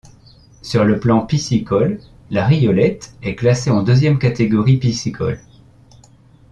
Sur le plan piscicole, la Riollette est classée en deuxième catégorie piscicole.